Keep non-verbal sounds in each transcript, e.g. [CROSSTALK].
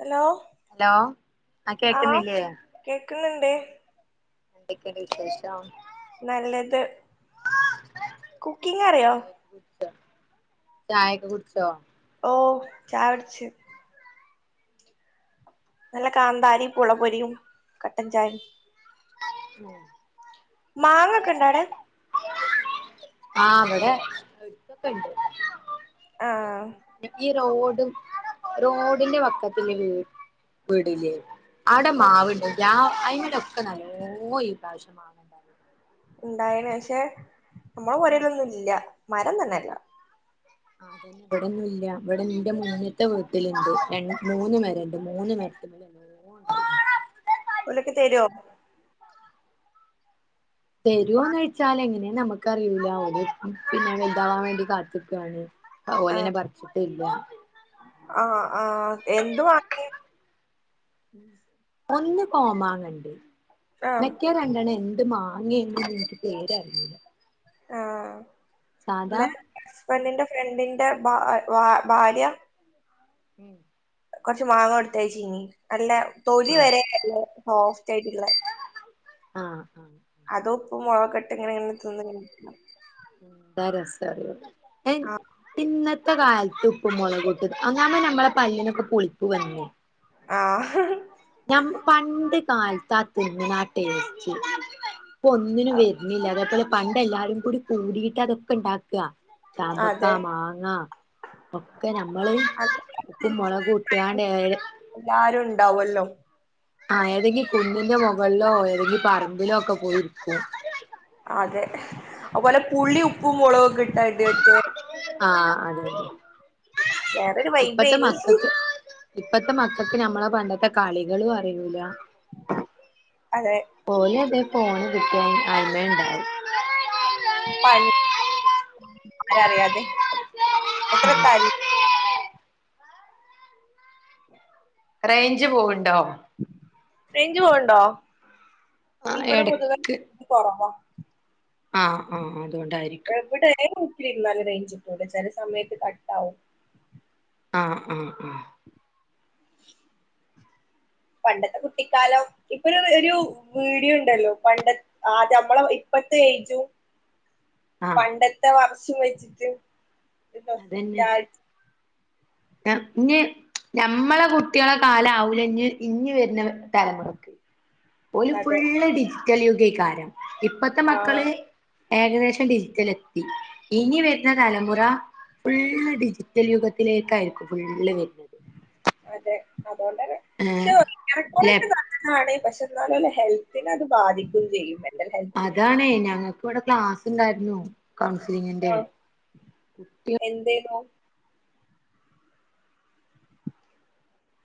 Hello hello ആ കേക്കുന്നില്ലിയോ ഏ എന്തൊക്ക ഉണ്ട് വിശേഷം നല്ലത് കുക്കിംഗ് അറിയോ ചായയൊക്കെ കുടിച്ചോ ഓ ചായ കുടിച്ച് നല്ല കാന്താരി പുളംപൊരിയും കട്ടൻ ചായയും ഉം മാങ്ങൊക്കെ ഇണ്ട അവിടെ ആ അവിടെ ഒരുക്കക്കെ ഉണ്ട് ആ ആ ആ ഈ റോഡും റോഡിന്റെ വക്കത്തില് വീട് വീടില്ലേ അവിടെ മാവിണ്ട് ല്ലാ കഴിഞ്ഞ പ്രാവശ്യം നല്ലോ ഈ പ്രാവശ്യം മാങ്ങാ ഇണ്ടായിണ്ട് ഇണ്ടായേനെ പക്ഷേ നമ്മ പുരേലൊന്നും ഇല്ല. മരം തന്നെ ല്ല ആഹ് അതന്നെ ഇവിടൊന്നും ഇല്ല ഇവിടെ ന്റെ മുന്ന്ത്തെ വീട്ടിലുണ്ട് രണ്ട് മൂന്ന് മരണ്ട് മൂന്ന് മരത്തില് നല്ലോണം ഇണ്ടായിന് ഒലക്ക തരോ? തരുവോന്ന് ചോദിച്ചാൽ എങ്ങനെയാ നമുക്കറിയൂല ഒര് പിന്നെ വലുതാവാൻ വേണ്ടി കാത്ത്ക്കാണ് ഓലനെ ആഹ് പറിച്ചിട്ട് ഇ ആഹ് ആ എന്തുവാങ്ങിയെ ഒന്ന് കോമാങ്ങണ്ടി ആഹ് മെക്കാരണ്ടണ്ണം എന്തു മാ അങ്ങ എന്നെ വിളിച്ച് പേരറിയൂല സാധാ ഇന്ന് ഹസ്ബൻഡിന്റെ ഫ്രണ്ടിന്റെ [UNINTELLIGIBLE] ഉം കൊറച്ച് മാങ്ങ കൊടുത്തയച്ചീനി നല്ല തൊലി വരെനല്ല സോഫ്റ്റായിട്ടുള്ളെ ആ ആ അത് ഉപ്പും മുളകൊക്കെ ഇട്ട് ഇങ്ങനിങ്ങനെ തിന്നങ്ങ് നിക്കണം ഇതാ രസളളത് [UNINTELLIGIBLE] ഇ കാലത്ത് ഉപ്പും മുളകും ഇട്ട് അതാണ് നമ്മടെ പല്ലിനൊക്കെ പുളിപ്പ് വരുന്നേ ആ പണ്ട് കാലത്ത് ആ തിന്നണ ആ ടേസ്റ്റ് ഇപ്പ ഒന്നിനും വരുന്നില്ല അതേപോലെ പണ്ട് എല്ലാരും കൂടി കൂടിട്ട് അതൊക്കെ ഉണ്ടാക്ക ക്ക ചാമ്പക്ക അതെ മാങ്ങ ഒക്കെ നമ്മള് അത് ഉപ്പും മുളക് ഇട്ടാണ്ട്‌ ണ്ടാവുമല്ലോ ആ അല്ലെങ്കിൽ കുന്നിന്റെ മുകളിലോ ഏതെങ്കിലും പറമ്പിലൊക്കെ പോയിരിക്കും അതെ അതുപോലെ പുളി ഉപ്പും മുളകും ഒക്കെ ഇട്ട് ആ [UNINTELLIGIBLE] അതെ അതെ വേറൊരു ഇപ്പത്തെ വൈബേനി മക്കൾക്ക് ഇപ്പത്തെ മക്കൾക്ക് നമ്മളെ പണ്ടത്തെ കളികളും അറിയൂല്ല അതെ പോലെ അതെ ഫോണ് കിട്ടിയാൽ അതിന്മേൽ ഉണ്ടാകും [INAUDIBLE] പണ്ട് ആരറിയാതെ എത്ര ത റേഞ്ച് പോവണ്ടോ റേഞ്ച് പോന്നൊണ്ടോ ആ ഇവിടെ പൊതുവെ റേഞ്ച് കൊറവാ ആ ആ അതുകൊണ്ടായിരിക്കും ഇരുന്നാലേ നല്ല റേഞ്ച് കിട്ടുള്ളൂ ചെല സമയത്ത് കട്ടാവും ആ ആ ആ പണ്ടത്തെ കുട്ടിക്കാലം ഇപ്പൊരു ഒരു വീഡിയോ ഉണ്ടല്ലോ പണ്ട ആ നമ്മള ഇപ്പത്തെ ഏജും ആഹ് പണ്ടത്തെ വ ഷം വെച്ചിട്ടും ഒരു നൊസ്റ്റാൾ ഏഹ് ഇഞ്ഞി ഞമ്മളെ കുട്ടികളെ കാലം ആവൂല ഇഞ്ഞി ഇഞ്ഞി വര്ണ തലമുറക്ക് ഓല് അതെ ഫുള്ള് ഡി റ്റൽ യുഗൈക്കാരം ഇപ്പത്തെ ആഹ് മക്കള് ഏകദേശം ഡിജിറ്റൽ എത്തി ഇനി വരുന്ന തലമുറ ഫുള്ള് ഡിജിറ്റൽ യുഗത്തിലേക്കായിരിക്കും ഫുള്ള് വ അതെ അതുകൊണ്ടന്നെ പക്ഷെ ആഹ് ഏറെക്കുറെക്കെ [UNINTELLIGIBLE] നല്ലതാണ് പക്ഷെ എന്നാലല്ലേ ഹെൽത്തിനത് ബാധിക്കയും ചെയ്യും [UNINTELLIGIBLE] അതാണേ ഞങ്ങക്ക് ഇവിടെ ക്ലാസിണ്ടായിരുന്നു കൗൺസിലിങ്ങിന്റെ ആഹ് കുട്ടിക എന്തേനു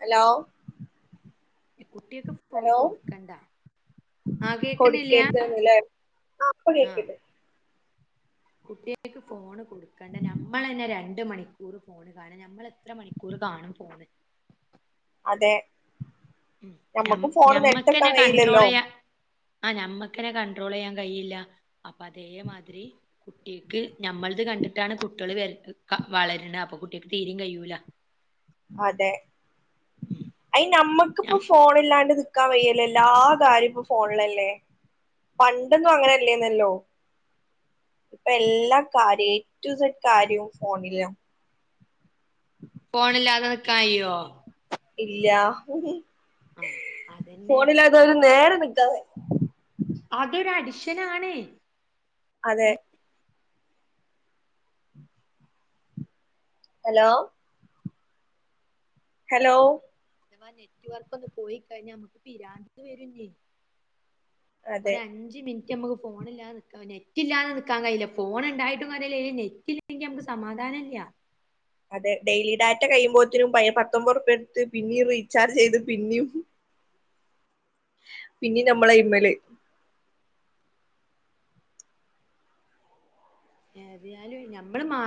ഹലോ കുട്ടിയൊക്ക്‌ ഫോൺ ഹലോ കൊടുക്കണ്ടാ ആ കേക്കുന്നില്ല കൊടുക്കരുതന്ന്ല്ലേ ആഹ് ഇപ്പൊ ആഹ് കേക്ക്ണ്ട് കുട്ടികക്ക് ഫോണ് കൊടുക്കണ്ട നമ്മള് തന്നെ രണ്ട് മണിക്കൂറ് ഫോണ് കാണും നമ്മള് എത്ര മണിക്കൂറ് കാണും ഫോണ് അതെ ഉം ഞം ഞമ്മക്ക് ഫോണ് നെട്ടൊക്കാൻ ഞമ്മക്കന്നെ കഴിയില്ലല്ലോ കണ്ട്രോളെയ്യാ ആ് ഞമ്മക്കന്നെ കണ്ട്രോളെയ്യാൻ കഴിയില്ല അപ്പൊ അതേ മാതിരി കുട്ടികക്ക് ഞമ്മൾത് കണ്ടിട്ടാണ് കുട്ടികള് വര വളരണ് അപ്പൊ കുട്ടികക്ക് തീരെയും കഴിയൂല. അതെ ഉം അയി നമ്മ ഇക്ക് ഇപ്പൊ ഞം ഫോണില്ല ല്ലാണ്ട് നിക്കാൻ വയ്യല്ല എല്ലാ കാര്യം ഇപ്പൊ ഫോണിലല്ലേ, പണ്ടൊന്നും അങ്ങനെല്ലേന്നല്ലോ, ഇപ്പൊ എല്ലാ കാര്യം ഏറ്റു സഡ് കാര്യവും ഫോണിലാ. ഫോണില്ലാതെ നിക്കാൻ കയ്യോ? ഇല്ല ആഹ് അതന്നെ ഫോണില്ലാതെ ഒരു നേര [UNINTELLIGIBLE] അതൊരു അഡിഷൻ ആണ് അതെ ഹലോ ഹലോ അഥവാ നെറ്റുവർക്കൊന്ന് പോയി കഴിഞ്ഞ നമ്മുക്ക് പിരാന്ത് വരൂല്ലെ. അതെ ഒരു അഞ്ച് മിനി ഞമുക്ക് ഫോണില്ലാതെ നിക്കാ നെറ്റില്ലല്ലാതെ നിക്കാൻ കഴിയില്ല ഫോൺ എണ്ടായിട്ടും കാര്യല്ല നെറ്റില്ലെങ്കിൽ നമുക്ക് സമാധാനം ഇല്ല്യ. അതെ ഡെയിലി ഡാറ്റ കഴിയുമ്പോഴതേനും പയെ പത്തൊൻമ്പത് റുപ്പ എടുത്ത് പിന്നെയും റീചാർജ് ചെയ്ത് പിന്നെയും പിന്നെ നമ്മള് ഇമ്മല് [UNINTELLIGIBLE] ഞമ്മള് മാ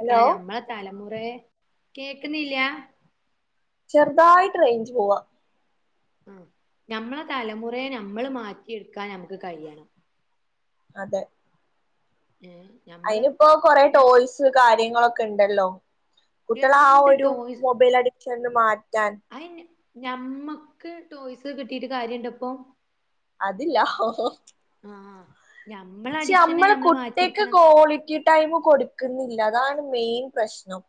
ഹലോ ഞമ്മള തല എന്തെ കേക്ക്‌ന്നില്ല്യ? ചെറുതായിട്ട് റെയിൻഞ്ച് പോവാ ആ ഞമ്മളെ തലമുറയെ നമ്മൾ മാറ്റിയെടുക്കാൻ ഞമക്ക് കഴിയണം. അതെ ഏഹ് ഞമ്മള് അയ്നിപ്പോ കൊറെ ഞ ടോയ്സ് കാര്യങ്ങളൊക്കെ ഇണ്ടല്ലോ. കുട്ടിളാ ആ എന്ത് ഒരു ടോയ്സ് മൊബൈൽ അഡിക്ഷൻന്ന് മാറ്റാൻ. അയിന് ഞമ്മക്ക് ടോയ്സ് കിട്ടീട്ട് കാര്യുണ്ട്പ്പൊ അതില്ല ഹോ ഹോ ഞമ്മളെ ച്ച അഡിക്ഷനെ നമ്മൾ ഞമ്മള് കുട്ടികക്ക് മാറ്റിയെടുക്കണം ക്വാളിറ്റി ടൈംമു കൊടുക്കു ക്കുന്നില്ല അതാണ് മെയിൻ പ്രശ്നം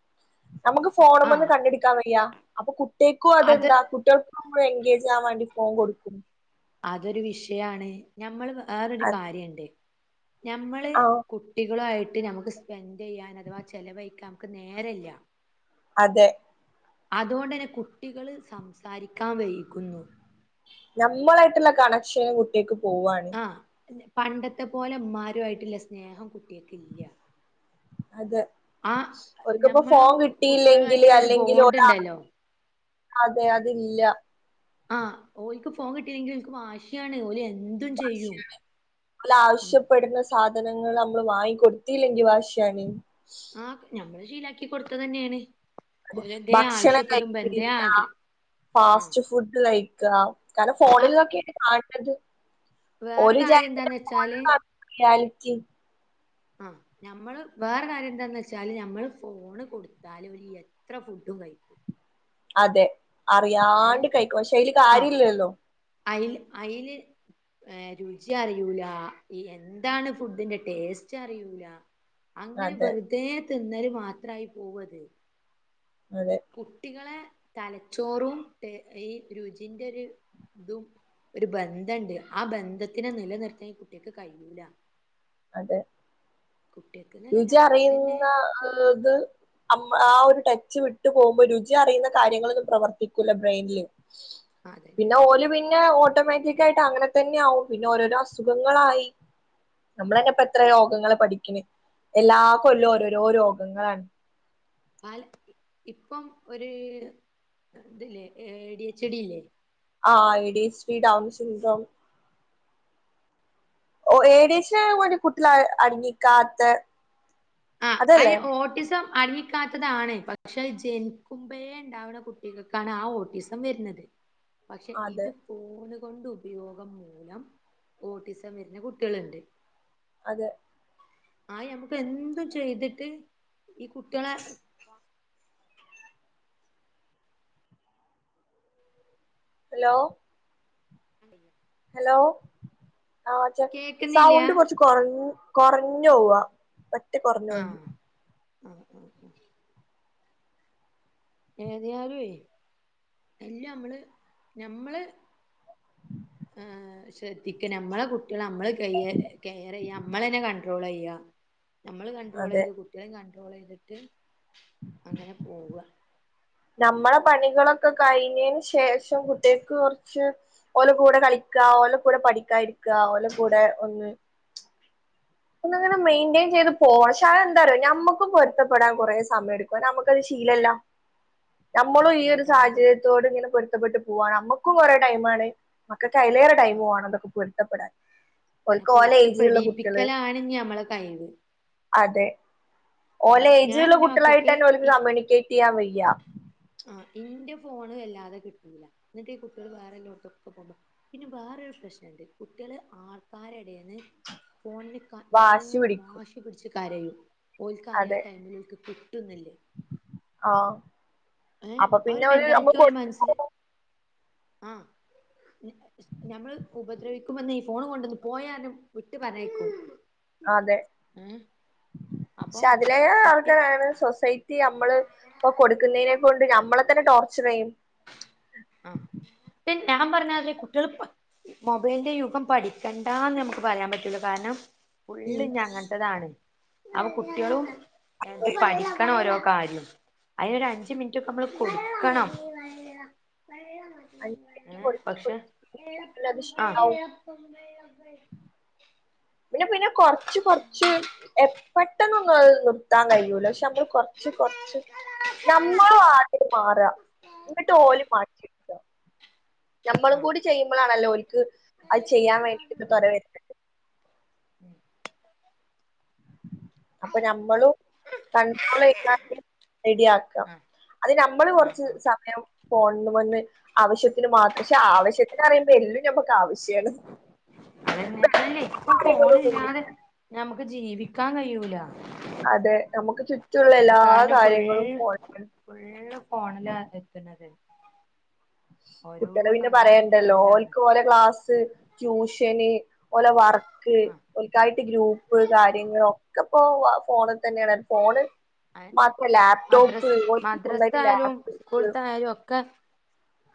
നമുക്ക് ഫോണുംമേന്നു ആഹ് കണ്ണേടുക്കാൻ വയ്യ. അപ്പൊ കു ട്ടികക്കു അത് അതെന്താ കുട്ടികക്കും എൻങ്കേജ് ആൻ വേണ്ടി ഫോൺ കൊടുക്കും അതൊരു വിഷയാണ്. ഞമ്മളു വേറൊരു അത് കാര്യണ്ട് ഞമ്മള് ആ കുട്ടികളായിട്ട് ട്ടി നമുക്ക് സ്പെൻഡ് ചെയ്യാൻ അഥവാ ചെിലവഴിക്കാൻ നമുക്ക് നേരല്ല അതെ അതുകൊണ്ടന്നെ കുട്ടികള് സംസാരിക്കാൻ വൈകുന്നു. നമ്മളായിട്ടുള്ള കണക്ഷനും കുട്ടികക്ക് പോവാണ്. ആഹ് പണ്ടത്തെ പോലെമാരു ആയിട്ടുള്ള സ്നേഹം കുട്ടിയകക്കില്ല. അതെ ഒർക്കിപ്പോ ഫോൺ ഞമ്മളും കിട്ടിയില്ലെങ്കില് കുട്ടികളുമായിട്ടുള്ള ഒരു അല്ലെങ്കിൽ ബോണ്ട് ഒരാ ഉണ്ടല്ലോ അതെ അതില്ല ആ ഓലക്ക് ഫോൺ കിട്ടില്ലെങ്കിൽ ഓക്കും വാശിയാണ് ഓലി എ ഉം ആവശ്യപ്പെടുന്ന സാധ സാധനങ്ങൾ നമ്മള് വാങ്ങിക്കൊടുത്തില്ലെങ്കി വാശിയാണ്. ആഹ് ഞമ്മൾ യിലാക്കി കൊടുത്തത് തന്നെയാണ്. അത് ഓല് എന്തേ ഭക്ഷണം ആവശ്യപ്പെടുമ്പോ എന്തേ കഴിക്കലില്ല ആഗ്രഹം ആഹ് ഫാസ്റ്റ് ഫുഡ് കഴിക കാരണം ആഹ് ഫോണിലൊക്കി ആ അത് വേറെ ഒൽ ജാ കാര്യം എന്താന്ന് വെച്ചാല് [UNINTELLIGIBLE] ആഹ് നഞമ്മള് വേറെ കാര്യം എന്താന്ന് വെച്ചാല് നഞമ്മള് ഫോണ് കൊടുത്താലും വര് എത്ര ഫുഡും കഴിക്കും. അതെ അറിയാണ്ട് കഴിക്കും പക്ഷെ അയ്ൽ കാര്യം ഇല്ലല്ലോ അയിൽ അയിൽ ഏഹ് രുചി അറയൂല എന്താണ് ഫുഡിന്റെ ടേസ്റ്റ് അറിയുല അങ്ങനെ അതെ വെറുതെ തിന്നല് മാത്രായി പോവത് അതെ കുട്ടികളെ തലച്ചോറും ടെ ഈ രുചിന്റൊര് ഇതും ഒരു ബന്ധണ്ട് ആ ബന്ധത്തിനെ നിലനിർത്തേൻ കുട്ടിയക്ക് കയ്യൂല അതെ രുചി ഞമ്മക്കന്നെ അറിയുന്ന ആത് അമ് ആ ഒര് ടച്ച് വിട്ട് പോവുമ്പോ രുചി അറിയുന്ന കാര്യങ്ങളൊന്നും പ്രവർത്തിക്കൂല്ല ബ്രെയിന്ല് അതന്നെ പിന്നെ ഓല് വീ ന്നെ ഓട്ടോമാറ്റിക്കായിട്ട് അങ്ങനെ തന്നെ ആവും പിന്നെ ഓരോരോ അസുഖങ്ങളായി ആഹ് നമ്മളന്നെപ്പത്രെ രോഗങ്ങള് പഠിക്ക്ണ് എല്ലാ ഉം കൊല്ലൊ ഓരോരോ രോ ഗങ്ങളാണ് പല ഉം ഇപ്പം ഒര് കാ ഇത്ല്ലെ ഏഹ് ഡി എച്ച് ടില്ലേ ആഹ് A D H P down സ് സിൻഡ്രം ഓ ഏദേശാ [UNINTELLIGIBLE] കുട്ടിയളാ അടങ്ങിക്കാത്തെ ആ അയ്ന് ഓട്ടിസം അ [UNINTELLIGIBLE] യിക്കാത്തതാണ് പക്ഷെ ജെനിക്കുമ്പയെ ഉണ്ടാവുന്ന കുട്ടികൾക്കാണ് ആ ഓട്ടിസം വരുന്നത് പക്ഷെ അതെ ഇത് പോലും കൊണ്ട് ഉപയോഗം മൂലം ഓട്ടിസം വരുന്ന കുട്ടികളുണ്ട് അതെ ആ ഞമ്മ്ക്ക് എന്തും ചെയ്തിട്ട് ഈ കുട്ട്യാളേ ഹലോ [INAUDIBLE] ഹലോ ആഹ് ച്ചേ കേക്കുന്നില്ല സൗണ്ട് കൊറച്ച് കൊറഞ് കൊറഞ് [UNINTELLIGIBLE] തി കുറഞ്ഞൊണ്ട് ആ ആ ആ ഏത്യാലോയ് എല്ല മ്മള് ഞമ്മള് ഏഹ് ശ്രദ്ധിക്ക ഞമ്മള കുട്ട്യാളെ ഞമ്മള് കെയ കെയറ്യ്യാ ഞമ്മളന്നെ കണ്ട്രോള്യ്യാ നമ്മള് അതെ കണ്ട്രോളേത് കുട്ട്യേളീം കൺ ൺട്രോള്യ്തിട്ട് അങ്ങനെ പോവ നമ്മള പണികളൊക്കെ കഴിഞ്ഞിന് ശേഷം കുട്ടികക്ക് കൊറച്ച് ഓല കൂടെ കളിക്ക ഓല കൂടെ പഠിക്കാ ഇരിക്ക ഓല കൂടെ ഒന്ന് ന്നങ്ങനെ മെയിന്റെയിൻ ചെയ്ത് പോവാ ഷതാന്താറിയോ ഞമ്മക്കും പൊരുത്തപ്പെടാൻ കൊറെേ സമയടുക്കും നമ്മക്കത് ശീലല്ല ഞമ്മളും ഈ ഒരു അതുകൊണ്ടാണ് പ സാഹചര്യത്തോട് ഇങ്ങനെ പൊരുത്തപ്പെട്ട് പൂവാ നമ്മക്കും കൊറേ ടൈമാണ് മക്കക്ക് അയിലേറെ ആഹ് ടൈമുവാണം തൊക്കെ പൊര് ത്തപ്പെടാൻ ഒൽക്ക് ഓല ഏയ്ജിലുള്ള കുട്ട്യള് ആണ് ഞ്ഞീ അമ്മള് കൈയ്യിൽ ഓലെ ഏയ്ജ്ലുള്ള കുട്ടിളായിട്ടൊക്കെ ഓൽക്ക് കമ്യുണികേറ്റിയാ വയ്യ ആ ഇന്റെ ഫോണ് വെല്ലാതെ കിട്ടൂല ന്നിട്ട് കുട്ടേള് വേറെല്ലോട്ത്തൊക്കെ പോവുമ്പോ പിന്നെ വേറൊരു പ്രശ്നണ്ട് കുട്ടേള് ആൾക്കാരെ എടേന്ന് ഫോണിന് ക നല്ലോ വാശി പിടിക്കും വാശി പിടിച്ച് കരയും ഓൽകറിയാ അതെ ആ ടൈമിലോൽക്കിട്ടും ട്ടുന്നില്ലേ ആഹ് ഏ അപ്പൊ ആ ഒരു പിന്നെ മെന്റാൽറ്റി നമ്മ ഓല മനസ്സില് ആ ഞമ്മള് ഉപദ്രവിക്കുമ്മൊന്ന് ഈ ഫോണു കൊണ്ടൊന്ന് പോയാനും വിട്ട് പർഞ്ഞയ്ക്കും അതെ ക്ഷ അപ്പം അതിലേറെ കുട്ടി ആൾക്കാരാണ് സൊസൈറ്റി അമ്മള് ഇപ്പൊ കൊടുക്കുന്നതിനേ കൊണ്ട് ഞ്ഞം മ്മളെത്തന്നെ ടോർച്ചർ ചെയ്യും ആ പിന്നെ ഞാൻ പറഞ്ഞാതിരി കുട്ടികൾ പ മൊബൈലിന്റെ യുഗം പഠിക്കണ്ടാന്ന് നമ്മക്ക് പറയാൻ പറ്റുല കാരണം ഫള്ള് ഉം ഇഞ്ഞി അങ്ങൻത്തതാണ് അവ കുട്ട്യോളുണ്ട് എങ്ട്ട് പഠിക്കണം ഓരോ കാര്യം അയ്നൊരു അഞ്ചു മിൻറ്റൊക്കെ നമ്മൾ കൊടുക്കണം അഞ്ച് മിനിറ്റ് ഏ കൊടുത്ത് പക്ഷെ കൊടുത്ത് പിന്നീടത് ആ ശീലാവും [UNINTELLIGIBLE] പിന്നെ പിന്നെ കൊറച്ച് കൊറച്ച് എ പെട്ടെന്നൊന്നും അഹ് നിർ ത്താൻ കഴിയൂല ക്ഷേ മ്മൾ കൊറച്ച് കൊറച്ച് നമ്മള് ആദ്യം മാറ ഇന്നിട്ട് ഓല് മാറ്റിട്ക്കാ ഞമ്മളും ആ കൂടി ചെയ്യുമ്പളാണല്ലോ ഓൽക്ക് അത് ചെയ്യാൻ വേണ്ടിട്ട് തുര വരുന്നേ അപ്പൊ നമ്മളും കൺണ്ട്രോൾ ചെയതാല് റെഡി ആക്കാം ആ അത് നമ്മള് ആ കുറച്ച് സമയം പോണമെന്നു ആവശ്യത്തിന് മാത്രംക്ഷേ ആവശ്യത്തിന് പറയുമ്പോഎല്ലും ഞമ്മക്ക് ആവശ്യ അതന്നെ അല്ലേ ഇപ്പൊ ഫോണില്ലാതെ നമുക്ക് ജീവിക്കാൻ കഴിയൂല അതെ നമുക്ക് മറ്റുള്ള എല്ലാ കാരണം കാര്യങ്ങളും ഫോണ് ഫോണില എടുത്തന്നത് കുട്ടിള് പിന്നെ പറയണ്ടല്ലോ ഫോണിലാണ് ഓൽക്ക് ഓലെ ക്ലാസ്സ് ട്യൂഷന് ഓലെ വർക്ക് ആഹ് ഓൽക്കായിട്ട് ഗ്രൂപ്പ് കാര്യങ്ങൾ ഒക്കെ ഇപ്പോ ഫോണിൽ തന്നെയാണ് ഫോണ് അയന്നെ മാത്രം ലാപ്ടോപ്പ് മദ്രസ് ഓൽക്ക് സ്വന്തായിട്ട് മദ്രസയാലും ലാപ്ടോപ്പ് സ്കൂൾത്ത ആയാലും ഒക്കെ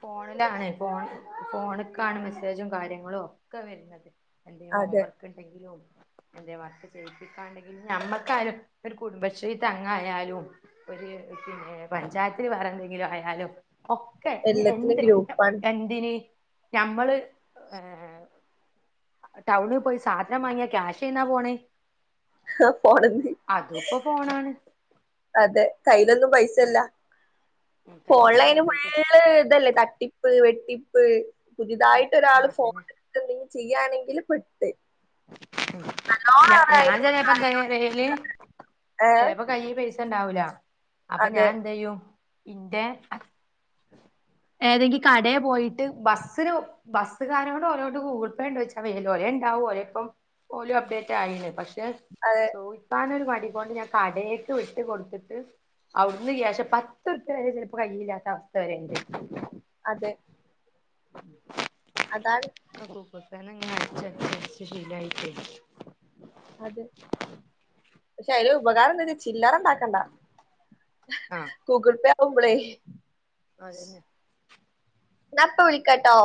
ഫോണിലാണ് ഫോൺ ഫോണക്കാണ് മെസ്സേജും കാര്യങ്ങളും ഒക്കെ വരുന്നത് അ അതെ ഹോംവർക്ക് ഉണ്ടെങ്കിലും എ വർക്ക് ചെയ്യിപ്പിക്കാണ്ടെങ്കിൽ നമ്മക്കാരും ഒരു കുടുംബശ്രീ അങ്ങായാലും ഒരു പിന്നെ പഞ്ചായത്തിൽ പറയന്തെങ്കിലും ആയാലും ഒക്കെ എല്ലത്തിനും എന്ത് ഗ്രൂപ്പാണ് എന്തിനീ ഞമ്മള് ടൗണിൽ പോയി സാധനം വാങ്ങിയാ ക്യാഷ് ചെയന്നാ പോണേ ആ ഫോൺ അതും ഇപ്പോ ഫോണാണ് അതെ കയ്യിലൊന്നും ഉം പൈസല്ല ഉം കയ്യിലൊന്നും ഫോൺലൈന് പോ പൈസ ഇതല്ലേ തട്ടിപ്പ് വെട്ടിപ്പ് ഉം പുതിയതായിട്ട് ആ ഒരാൾ അതന്നെ ഫോണേനെടുത് ചെയ്യാണെങ്കിൽ പെട്ട് നല്ലോണം അത് ഞാൻ അതിനെ കുറിച്ച് അറിയണോർക്ക് ചിലപ്പയില് ഏഹ് ചിലപ്പോ കയ് പ ഉണ്ടാവില്ല അപ്പൊ അതെ ഞാൻ എന്ത ചെയ്യും ഇന്റെ ഏതെങ്കി കടയെ പോയിട്ട് ബസ്സിന് ബസ്കാരോണ്ട് ഓരോട് ഗൂഗിൾ പേ ഉണ്ട് വെച്ച വേല ഒരേ ഉണ്ടാവും ഓരോ അപ്പം ഓല അപ്ഡേറ്റ് ആയില്ല അതെ ചോദിക്കാൻ ഒരു മടി ണ്ട് ഞാൻ കടക്ക് വിട്ട് കൊടുത്തിട്ട് അവിടുന്ന് യാശ പത്ത്ർക്ക് വരെ ചിലപ്പോ കയ്യില്ലാത്ത അവസ്ഥ വരെണ്ട് അതാാണ് [INAUDIBLE] ശീലായിട്ടേയ് അതെ പക്ഷെ അയില് ഉപകാരം എന്താ വെച് ചില്ലറ ഉണ്ടാക്കണ്ട ആ ഗൂഗിൾ പേ ആവുമ്പളേ അതന്നെ ദാ ഇപ്പ വിളിക്കാട്ടോ